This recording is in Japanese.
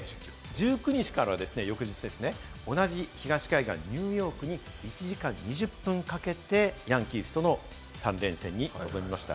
１９日からは翌日は、同じ東海岸、ニューヨークに１時間２０分かけてヤンキースとの３連戦に臨みました。